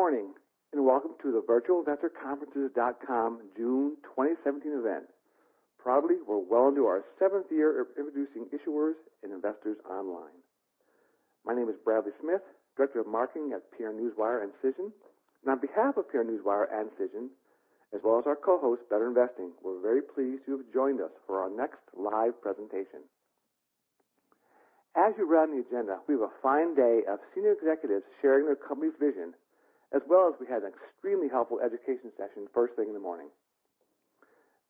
Good morning, and welcome to the virtualinvestorconferences.com June 2017 event. Probably we're well into our seventh year of introducing issuers and investors online. My name is Bradley Smith, Director of Marketing at PR Newswire and Cision. On behalf of PR Newswire and Cision, as well as our co-host, BetterInvesting, we're very pleased you have joined us for our next live presentation. As we run the agenda, we have a fine day of senior executives sharing their company's vision, as well as we have an extremely helpful education session first thing in the morning.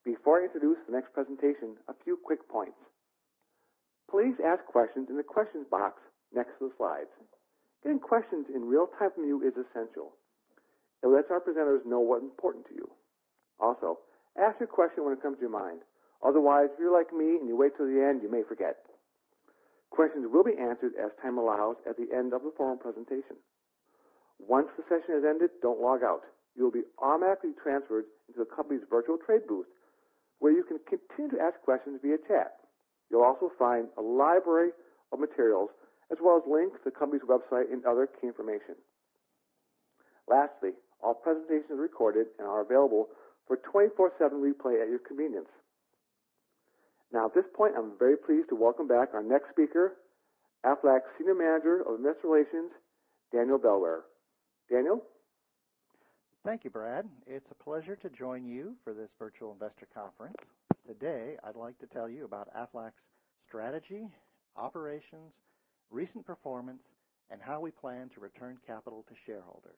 Before I introduce the next presentation, a few quick points. Please ask questions in the questions box next to the slides. Getting questions in real time from you is essential. It lets our presenters know what's important to you. Also, ask your question when it comes to your mind. Otherwise, if you're like me and you wait till the end, you may forget. Questions will be answered as time allows at the end of the following presentation. Once the session has ended, don't log out. You'll be automatically transferred into the company's virtual trade booth, where you can continue to ask questions via chat. You'll also find a library of materials, as well as links to the company's website and other key information. Lastly, all presentations are recorded and are available for 24/7 replay at your convenience. Now, at this point, I'm very pleased to welcome back our next speaker, Aflac's Senior Manager of Investor Relations, Daniel Bellware. Daniel? Thank you, Brad. It's a pleasure to join you for this Virtual Investor Conferences. Today, I'd like to tell you about Aflac's strategy, operations, recent performance, and how we plan to return capital to shareholders.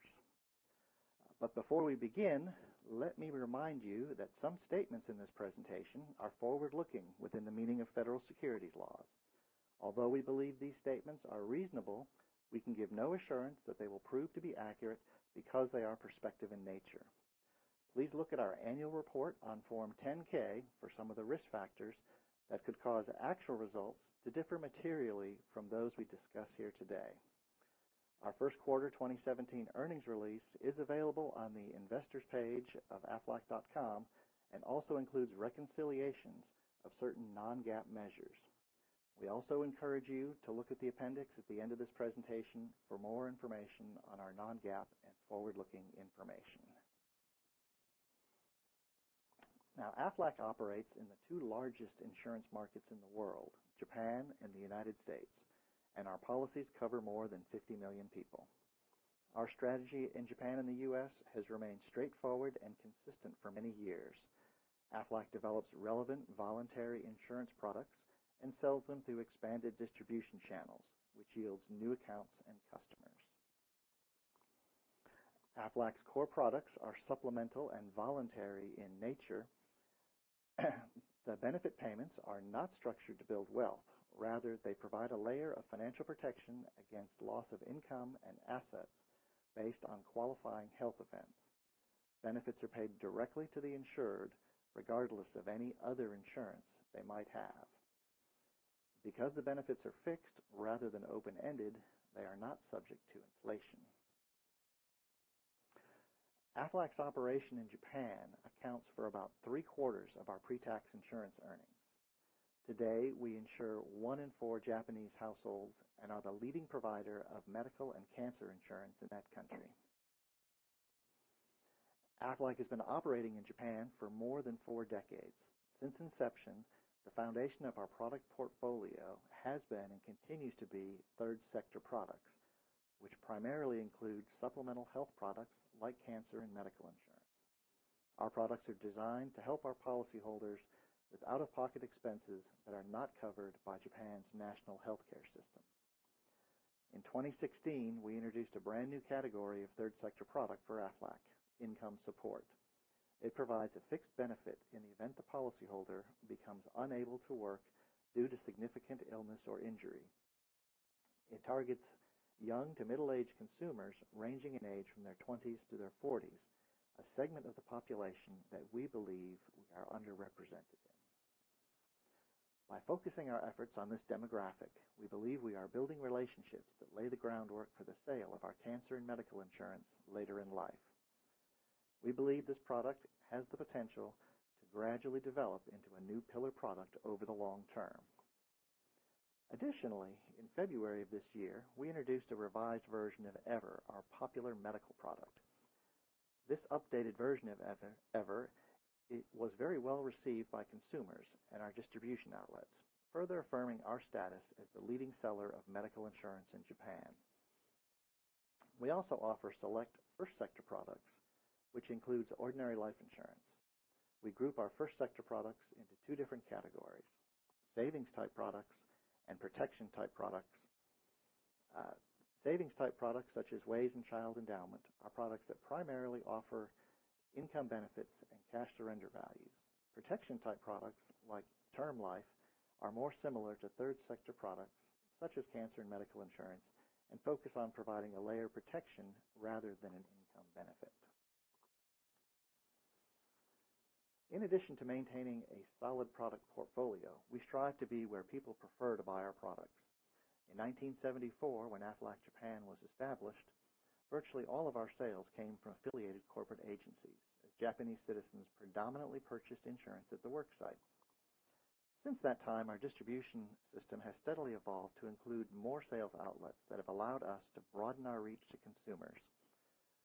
Before we begin, let me remind you that some statements in this presentation are forward-looking within the meaning of federal securities laws. Although we believe these statements are reasonable, we can give no assurance that they will prove to be accurate because they are prospective in nature. Please look at our annual report on Form 10-K for some of the risk factors that could cause actual results to differ materially from those we discuss here today. Our first quarter 2017 earnings release is available on the investors page of aflac.com and also includes reconciliations of certain non-GAAP measures. We also encourage you to look at the appendix at the end of this presentation for more information on our non-GAAP and forward-looking information. Aflac operates in the two largest insurance markets in the world, Japan and the U.S., and our policies cover more than 50 million people. Our strategy in Japan and the U.S. has remained straightforward and consistent for many years. Aflac develops relevant voluntary insurance products and sells them through expanded distribution channels, which yields new accounts and customers. Aflac's core products are supplemental and voluntary in nature. The benefit payments are not structured to build wealth. Rather, they provide a layer of financial protection against loss of income and assets based on qualifying health events. Benefits are paid directly to the insured, regardless of any other insurance they might have. Because the benefits are fixed rather than open-ended, they are not subject to inflation. Aflac's operation in Japan accounts for about three-quarters of our pre-tax insurance earnings. Today, we insure one in four Japanese households and are the leading provider of medical and cancer insurance in that country. Aflac has been operating in Japan for more than four decades. Since inception, the foundation of our product portfolio has been and continues to be third sector products, which primarily include supplemental health products like cancer and medical insurance. Our products are designed to help our policyholders with out-of-pocket expenses that are not covered by Japan's national healthcare system. In 2016, we introduced a brand new category of third sector product for Aflac, income support. It provides a fixed benefit in the event the policyholder becomes unable to work due to significant illness or injury. It targets young to middle-aged consumers ranging in age from their 20s to their 40s, a segment of the population that we believe we are underrepresented in. By focusing our efforts on this demographic, we believe we are building relationships that lay the groundwork for the sale of our cancer and medical insurance later in life. We believe this product has the potential to gradually develop into a new pillar product over the long term. Additionally, in February of this year, we introduced a revised version of EVER, our popular medical product. This updated version of EVER was very well received by consumers and our distribution outlets, further affirming our status as the leading seller of medical insurance in Japan. We also offer select first sector products, which includes ordinary life insurance. We group our first sector products into two different categories, savings type products and protection type products. Savings type products such as WAYS and child endowment are products that primarily offer income benefits and cash surrender values. Protection type products like term life are more similar to third sector products such as cancer and medical insurance and focus on providing a layer of protection rather than an income benefit. In addition to maintaining a solid product portfolio, we strive to be where people prefer to buy our products. In 1974, when Aflac Japan was established, virtually all of our sales came from affiliated corporate agencies as Japanese citizens predominantly purchased insurance at the work site. Since that time, our distribution system has steadily evolved to include more sales outlets that have allowed us to broaden our reach to consumers.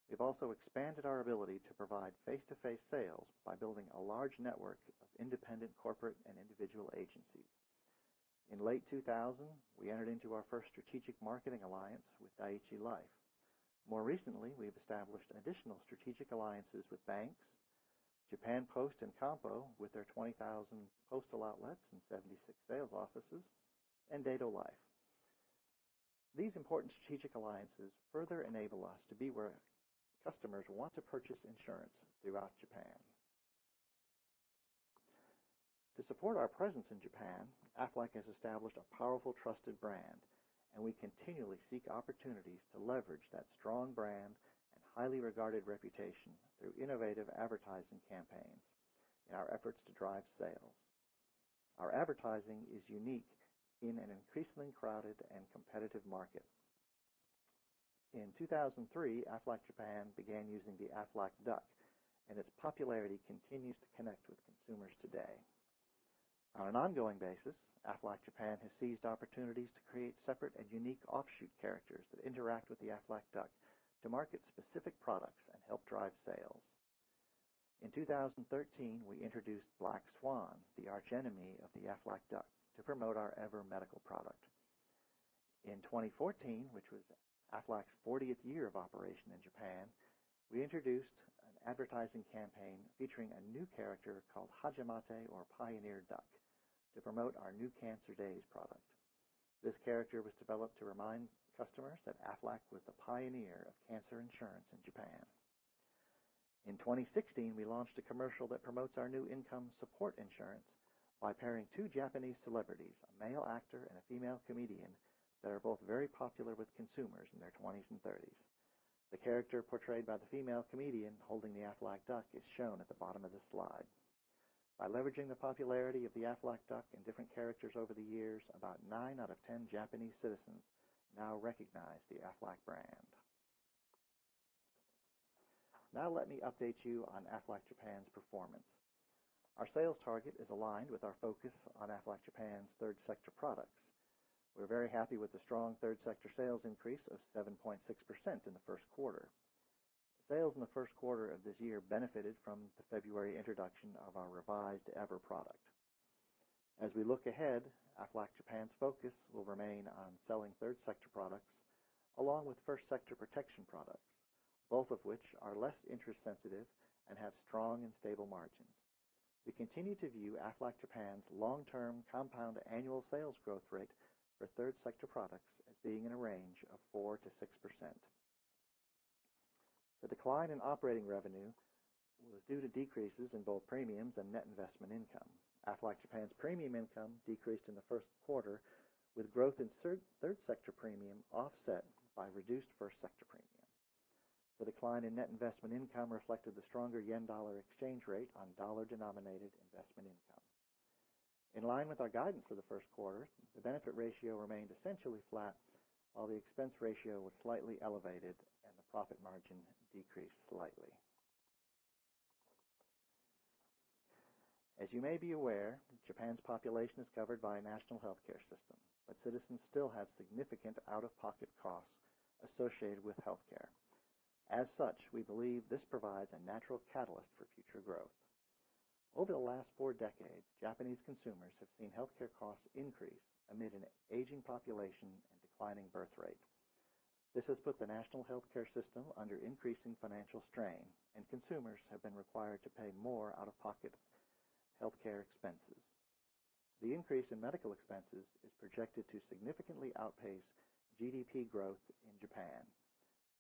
We've also expanded our ability to provide face-to-face sales by building a large network of independent corporate and individual agencies. In late 2000, we entered into our first strategic marketing alliance with Dai-ichi Life. More recently, we have established additional strategic alliances with banks, Japan Post and Kampo, with their 20,000 postal outlets and 76 sales offices, and Daido Life. These important strategic alliances further enable us to be where customers want to purchase insurance throughout Japan. To support our presence in Japan, Aflac has established a powerful, trusted brand, and we continually seek opportunities to leverage that strong brand and highly regarded reputation through innovative advertising campaigns in our efforts to drive sales. Our advertising is unique in an increasingly crowded and competitive market. In 2003, Aflac Japan began using the Aflac Duck, and its popularity continues to connect with consumers today. On an ongoing basis, Aflac Japan has seized opportunities to create separate and unique offshoot characters that interact with the Aflac Duck to market specific products and help drive sales. In 2013, we introduced Black Swan, the archenemy of the Aflac Duck, to promote our EVER medical product. In 2014, which was Aflac's 40th year of operation in Japan, we introduced an advertising campaign featuring a new character called Hajimate, or Pioneer Duck, to promote our New Cancer DAYS product. This character was developed to remind customers that Aflac was the pioneer of cancer insurance in Japan. In 2016, we launched a commercial that promotes our new income support insurance by pairing two Japanese celebrities, a male actor and a female comedian, that are both very popular with consumers in their 20s and 30s. The character portrayed by the female comedian holding the Aflac Duck is shown at the bottom of this slide. By leveraging the popularity of the Aflac Duck and different characters over the years, about 9 out of 10 Japanese citizens now recognize the Aflac brand. Let me update you on Aflac Japan's performance. Our sales target is aligned with our focus on Aflac Japan's third sector products. We're very happy with the strong third sector sales increase of 7.6% in the first quarter. Sales in the first quarter of this year benefited from the February introduction of our revised EVER product. As we look ahead, Aflac Japan's focus will remain on selling third sector products, along with first sector protection products, both of which are less interest sensitive and have strong and stable margins. We continue to view Aflac Japan's long-term compound annual sales growth rate for third sector products as being in a range of 4%-6%. The decline in operating revenue was due to decreases in both premiums and net investment income. Aflac Japan's premium income decreased in the first quarter, with growth in third sector premium offset by reduced first sector premium. The decline in net investment income reflected the stronger yen dollar exchange rate on dollar-denominated investment income. In line with our guidance for the first quarter, the benefit ratio remained essentially flat, while the expense ratio was slightly elevated and the profit margin decreased slightly. As you may be aware, Japan's population is covered by a national healthcare system, but citizens still have significant out-of-pocket costs associated with healthcare. As such, we believe this provides a natural catalyst for future growth. Over the last four decades, Japanese consumers have seen healthcare costs increase amid an aging population and declining birth rate. This has put the national healthcare system under increasing financial strain, and consumers have been required to pay more out-of-pocket healthcare expenses. The increase in medical expenses is projected to significantly outpace GDP growth in Japan.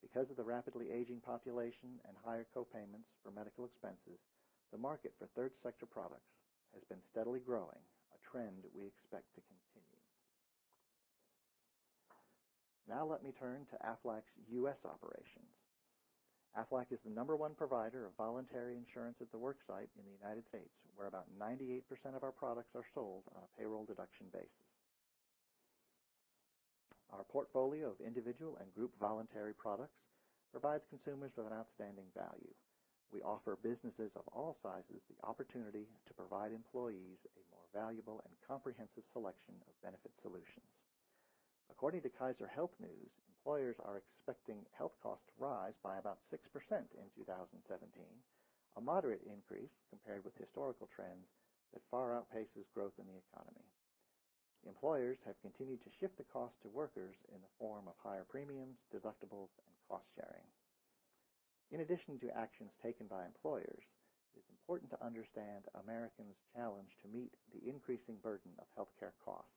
Because of the rapidly aging population and higher co-payments for medical expenses, the market for third sector products has been steadily growing, a trend we expect to continue. Let me turn to Aflac's U.S. operations. Aflac is the number one provider of voluntary insurance at the work site in the United States, where about 98% of our products are sold on a payroll deduction basis. Our portfolio of individual and group voluntary products provides consumers with an outstanding value. We offer businesses of all sizes the opportunity to provide employees a more valuable and comprehensive selection of benefit solutions. According to KFF Health News, employers are expecting health costs to rise by about 6% in 2017, a moderate increase compared with historical trends that far outpaces growth in the economy. Employers have continued to shift the cost to workers in the form of higher premiums, deductibles, and cost-sharing. In addition to actions taken by employers, it's important to understand Americans' challenge to meet the increasing burden of healthcare costs.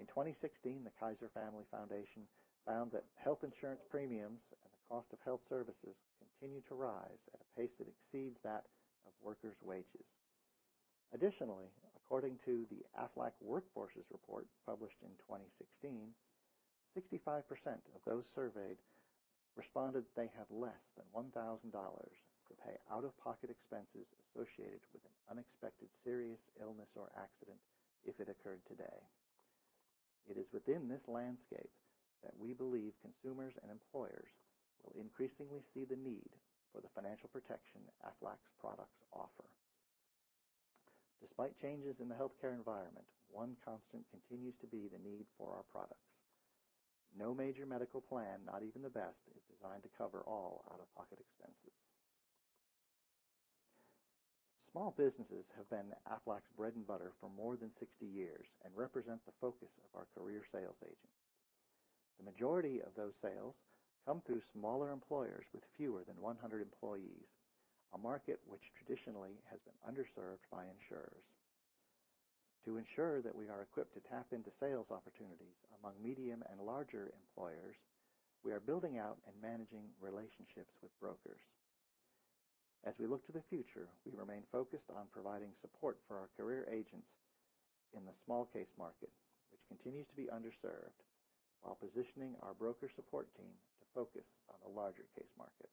In 2016, the Kaiser Family Foundation found that health insurance premiums and the cost of health services continue to rise at a pace that exceeds that of workers' wages. According to the Aflac WorkForces Report published in 2016, 65% of those surveyed responded that they have less than $1,000 to pay out-of-pocket expenses associated with an unexpected serious illness or accident if it occurred today. It is within this landscape that we believe consumers and employers will increasingly see the need for the financial protection Aflac's products offer. Despite changes in the healthcare environment, one constant continues to be the need for our products. No major medical plan, not even the best, is designed to cover all out-of-pocket expenses. Small businesses have been Aflac's bread and butter for more than 60 years and represent the focus of our career sales agents. The majority of those sales come through smaller employers with fewer than 100 employees, a market which traditionally has been underserved by insurers. To ensure that we are equipped to tap into sales opportunities among medium and larger employers, we are building out and managing relationships with brokers. As we look to the future, we remain focused on providing support for our career agents in the small case market, which continues to be underserved, while positioning our broker support team to focus on the larger case market.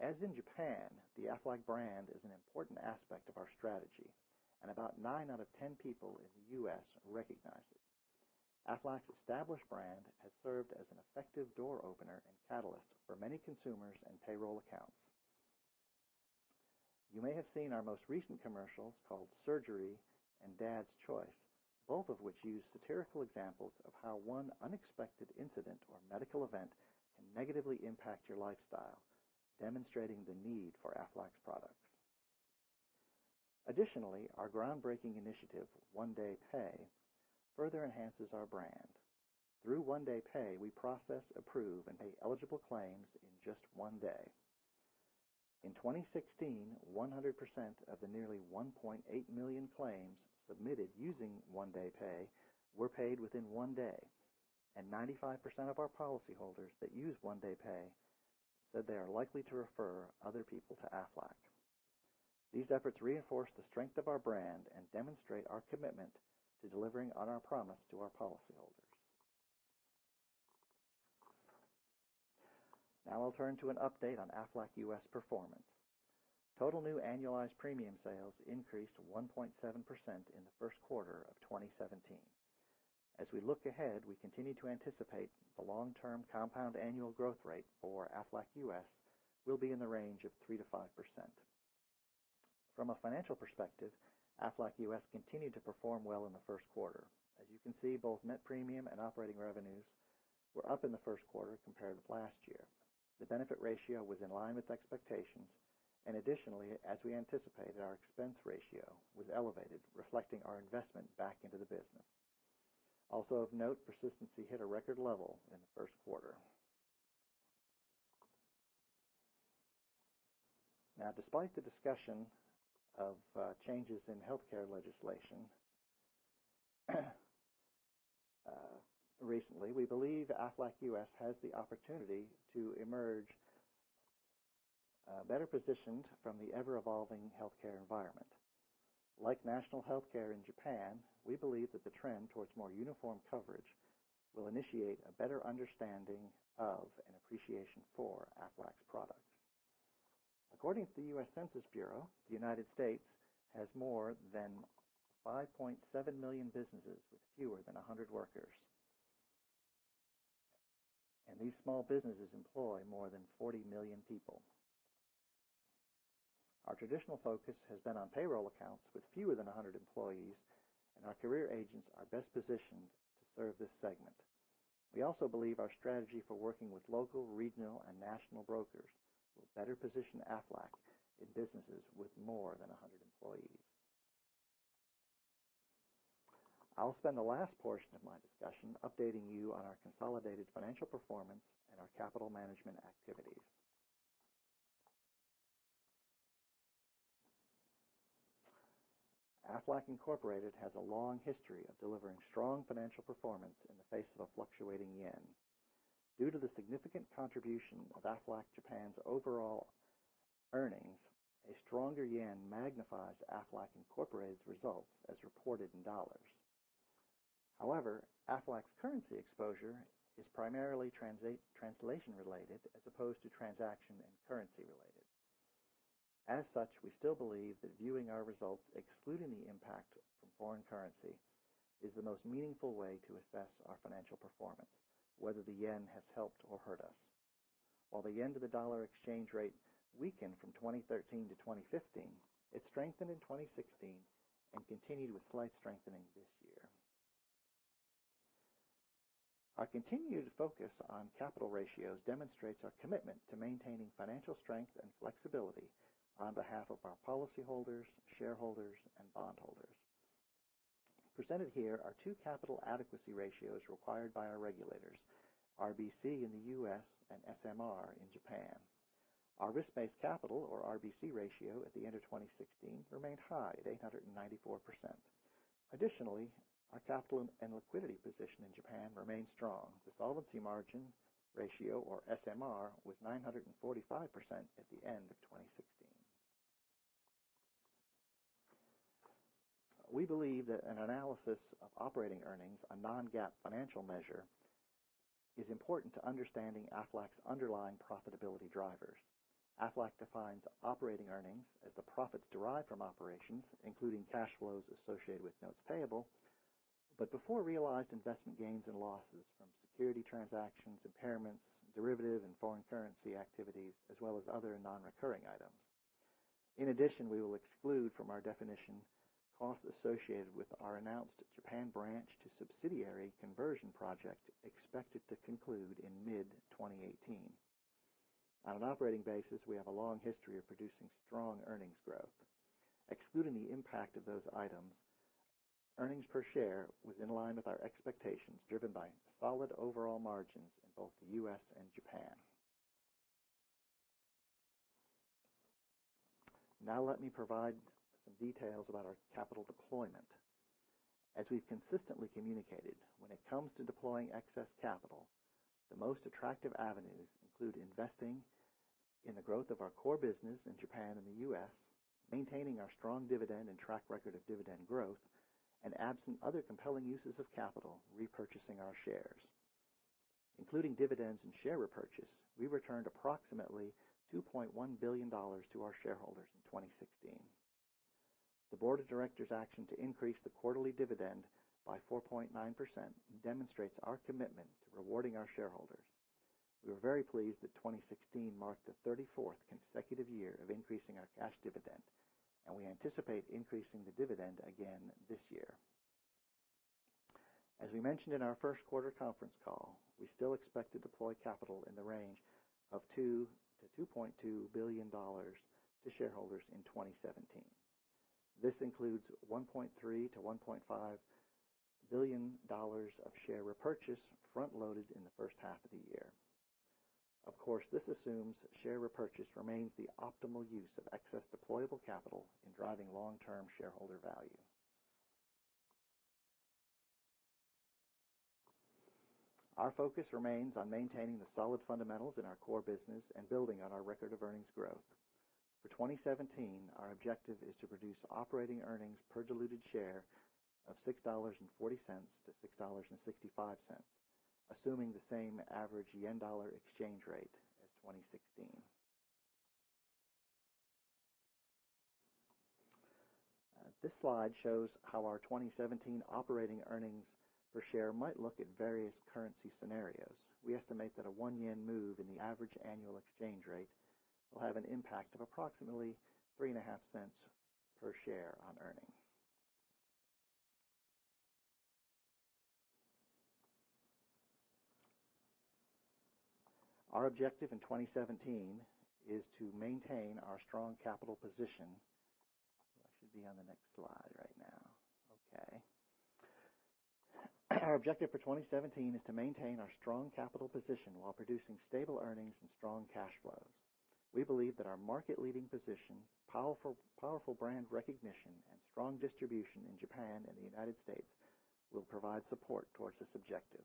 As in Japan, the Aflac brand is an important aspect of our strategy, and about nine out of 10 people in the U.S. recognize it. Aflac's established brand has served as an effective door opener and catalyst for many consumers and payroll accounts. You may have seen our most recent commercials called "Surgery" and "Dad's Choice," both of which use satirical examples of how one unexpected incident or medical event can negatively impact your lifestyle, demonstrating the need for Aflac's products. Our groundbreaking initiative, One Day Pay, further enhances our brand. Through One Day Pay, we process, approve, and pay eligible claims in just one day. In 2016, 100% of the nearly 1.8 million claims submitted using One Day Pay were paid within one day, and 95% of our policyholders that use One Day Pay said they are likely to refer other people to Aflac. These efforts reinforce the strength of our brand and demonstrate our commitment to delivering on our promise to our policyholders. Now I'll turn to an update on Aflac U.S. performance. Total new annualized premium sales increased 1.7% in the first quarter of 2017. As we look ahead, we continue to anticipate the long-term compound annual growth rate for Aflac U.S. will be in the range of 3%-5%. From a financial perspective, Aflac U.S. continued to perform well in the first quarter. As you can see, both net premium and operating revenues were up in the first quarter compared with last year. The benefit ratio was in line with expectations. Additionally, as we anticipated, our expense ratio was elevated, reflecting our investment back into the business. Also of note, persistency hit a record level in the first quarter. Despite the discussion of changes in healthcare legislation recently, we believe Aflac U.S. has the opportunity to emerge better positioned from the ever-evolving healthcare environment. Like national healthcare in Japan, we believe that the trend towards more uniform coverage will initiate a better understanding of and appreciation for Aflac's products. According to the U.S. Census Bureau, the United States has more than 5.7 million businesses with fewer than 100 workers. These small businesses employ more than 40 million people. Our traditional focus has been on payroll accounts with fewer than 100 employees, and our career agents are best positioned to serve this segment. We also believe our strategy for working with local, regional, and national brokers will better position Aflac in businesses with more than 100 employees. I will spend the last portion of my discussion updating you on our consolidated financial performance and our capital management activities. Aflac Incorporated has a long history of delivering strong financial performance in the face of a fluctuating yen. Due to the significant contribution of Aflac Japan's overall earnings, a stronger yen magnifies Aflac Incorporated's results as reported in dollars. Aflac's currency exposure is primarily translation related as opposed to transaction and currency related. As such, we still believe that viewing our results excluding the impact from foreign currency is the most meaningful way to assess our financial performance, whether the yen has helped or hurt us. While the yen to the dollar exchange rate weakened from 2013 to 2015, it strengthened in 2016 and continued with slight strengthening this year. Our continued focus on capital ratios demonstrates our commitment to maintaining financial strength and flexibility on behalf of our policyholders, shareholders, and bondholders. Presented here are two capital adequacy ratios required by our regulators, RBC in the U.S. and SMR in Japan. Our risk-based capital or RBC ratio at the end of 2016 remained high at 894%. Additionally, our capital and liquidity position in Japan remained strong. The solvency margin ratio or SMR was 945% at the end of 2016. We believe that an analysis of operating earnings, a non-GAAP financial measure is important to understanding Aflac's underlying profitability drivers. Aflac defines operating earnings as the profits derived from operations, including cash flows associated with notes payable, but before realized investment gains and losses from security transactions, impairments, derivative and foreign currency activities, as well as other non-recurring items. In addition, we will exclude from our definition costs associated with our announced Japan branch to subsidiary conversion project expected to conclude in mid 2018. On an operating basis, we have a long history of producing strong earnings growth. Excluding the impact of those items, earnings per share was in line with our expectations, driven by solid overall margins in both the U.S. and Japan. Let me provide some details about our capital deployment. As we've consistently communicated, when it comes to deploying excess capital, the most attractive avenues include investing in the growth of our core business in Japan and the U.S., maintaining our strong dividend and track record of dividend growth, and absent other compelling uses of capital, repurchasing our shares. Including dividends and share repurchase, we returned approximately $2.1 billion to our shareholders in 2016. The board of directors' action to increase the quarterly dividend by 4.9% demonstrates our commitment to rewarding our shareholders. We were very pleased that 2016 marked the 34th consecutive year of increasing our cash dividend, and we anticipate increasing the dividend again this year. As we mentioned in our first quarter conference call, we still expect to deploy capital in the range of $2 billion-$2.2 billion to shareholders in 2017. This includes $1.3 billion-$1.5 billion of share repurchase front-loaded in the first half of the year. Of course, this assumes share repurchase remains the optimal use of excess deployable capital in driving long-term shareholder value. Our focus remains on maintaining the solid fundamentals in our core business and building on our record of earnings growth. For 2017, our objective is to produce operating earnings per diluted share of $6.40-$6.65, assuming the same average yen-dollar exchange rate as 2016. This slide shows how our 2017 operating earnings per share might look at various currency scenarios. We estimate that a one yen move in the average annual exchange rate will have an impact of approximately $0.035 per share on earnings. Our objective in 2017 is to maintain our strong capital position. I should be on the next slide right now. Okay. Our objective for 2017 is to maintain our strong capital position while producing stable earnings and strong cash flows. We believe that our market-leading position, powerful brand recognition, and strong distribution in Japan and the U.S. will provide support towards this objective.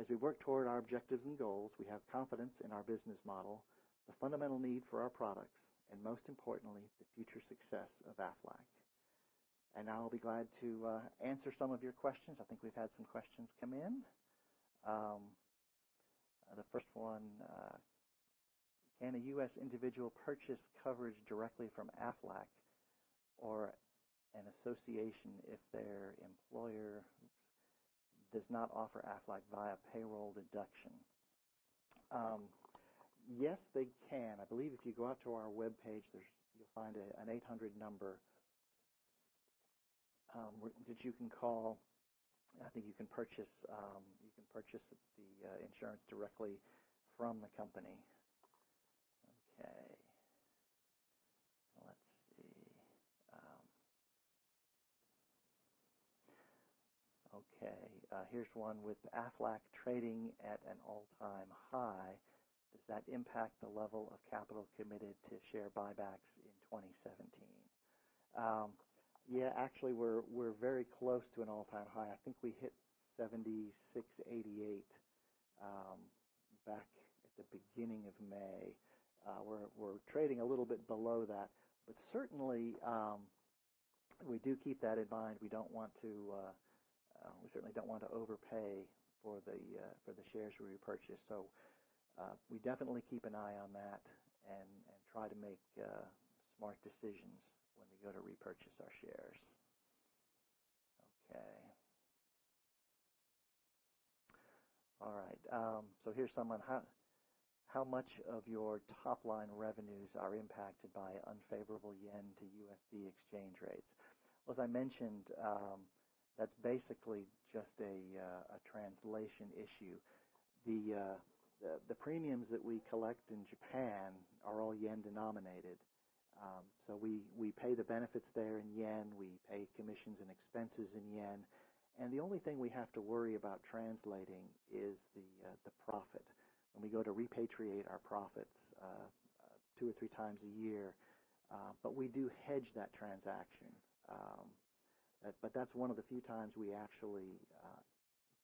As we work toward our objectives and goals, we have confidence in our business model, the fundamental need for our products, and most importantly, the future success of Aflac. I'll be glad to answer some of your questions. I think we've had some questions come in. The first one, can a U.S. individual purchase coverage directly from Aflac or an association if their employer does not offer Aflac via payroll deduction? Yes, they can. I believe if you go out to our webpage, you'll find an 800 number that you can call. I think you can purchase the insurance directly from the company. Okay. Let's see. Okay, here's one. With Aflac trading at an all-time high, does that impact the level of capital committed to share buybacks in 2017? Yeah, actually, we're very close to an all-time high. I think we hit $76.88 back at the beginning of May. We're trading a little bit below that, but certainly, we do keep that in mind. We certainly don't want to overpay for the shares we repurchase. So we definitely keep an eye on that and try to make smart decisions when we go to repurchase our shares. Okay. All right, so here's someone. How much of your top-line revenues are impacted by unfavorable yen-to-USD exchange rates? As I mentioned, that's basically just a translation issue. The premiums that we collect in Japan are all JPY-denominated. We pay the benefits there in JPY, we pay commissions and expenses in JPY, and the only thing we have to worry about translating is the profit when we go to repatriate our profits two or three times a year, but we do hedge that transaction. That's one of the few times we actually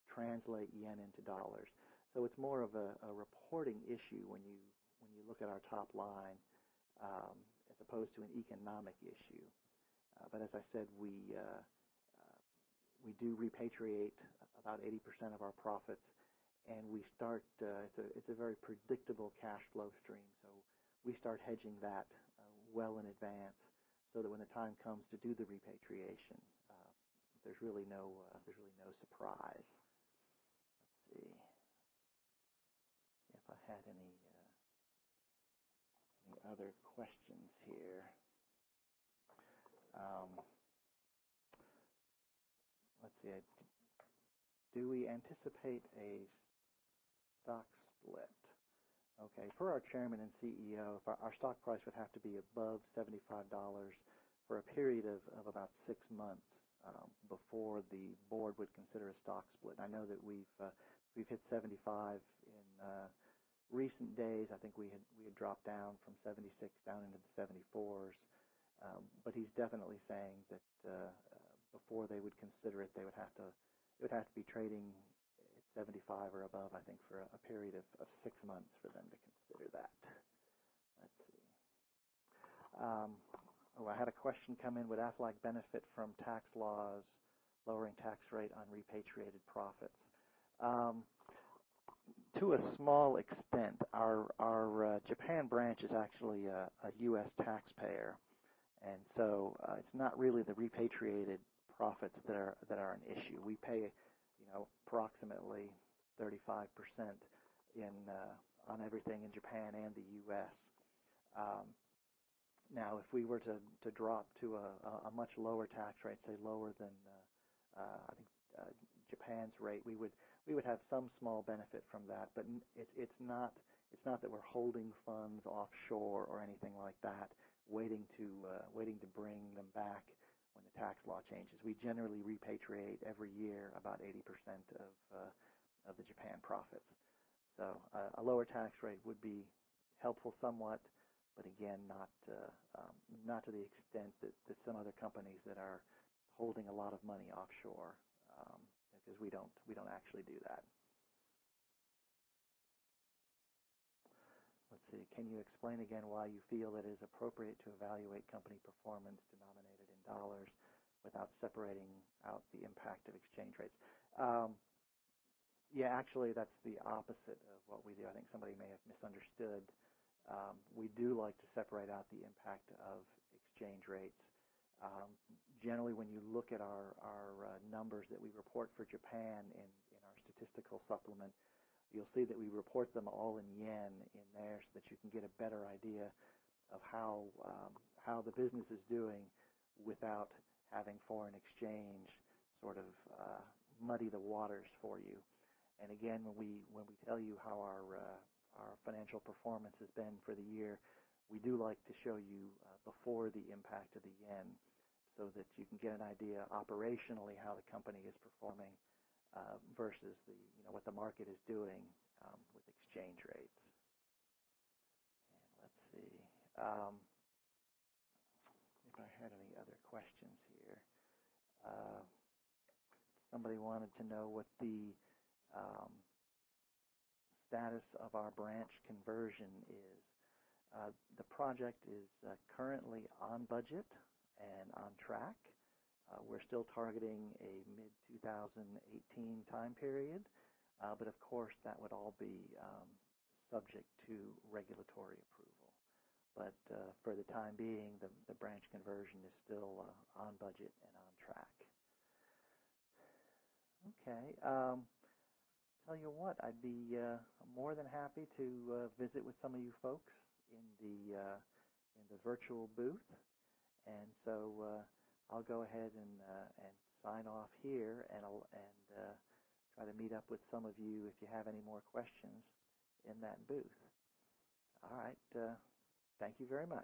translate JPY into USD. It's more of a reporting issue when you look at our top-line as opposed to an economic issue. As I said, we do repatriate about 80% of our profits, and it's a very predictable cash flow stream. We start hedging that well in advance, so that when the time comes to do the repatriation, there's really no surprise. Let's see. If I had any other questions here. Let's see. Do we anticipate a stock split? Okay. Per our Chairman and CEO, our stock price would have to be above $75 for a period of about six months before the board would consider a stock split. I know that we've hit 75 in recent days. I think we had dropped down from 76 down into the 74s. He's definitely saying that before they would consider it would have to be trading at 75 or above, I think, for a period of six months for them to consider that. Let's see. Oh, I had a question come in: Would Aflac benefit from tax laws lowering tax rate on repatriated profits? To a small extent. Our Japan branch is actually a U.S. taxpayer, it's not really the repatriated profits that are an issue. We pay approximately 35% on everything in Japan and the U.S. If we were to drop to a much lower tax rate, say lower than, I think, Japan's rate, we would have some small benefit from that. It's not that we're holding funds offshore or anything like that, waiting to bring them back when the tax law changes. We generally repatriate every year about 80% of the Japan profits. A lower tax rate would be helpful somewhat, but again, not to the extent that some other companies that are holding a lot of money offshore because we don't actually do that. Let's see. Can you explain again why you feel it is appropriate to evaluate company performance denominated in USD without separating out the impact of exchange rates? Yeah, actually, that's the opposite of what we do. I think somebody may have misunderstood. We do like to separate out the impact of exchange rates. Generally, when you look at our numbers that we report for Japan in our statistical supplement, you'll see that we report them all in JPY in there so that you can get a better idea of how the business is doing without having foreign exchange sort of muddy the waters for you. Again, when we tell you how our financial performance has been for the year, we do like to show you before the impact of the JPY so that you can get an idea operationally how the company is performing versus what the market is doing with exchange rates. Let's see. I think I had any other questions here. Somebody wanted to know what the status of our branch conversion is. The project is currently on budget and on track. We're still targeting a mid-2018 time period. Of course, that would all be subject to regulatory approval. For the time being, the branch conversion is still on budget and on track. Okay. Tell you what, I'd be more than happy to visit with some of you folks in the virtual booth. So I'll go ahead and sign off here and I'll try to meet up with some of you if you have any more questions in that booth. All right. Thank you very much.